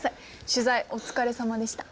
取材お疲れさまでした。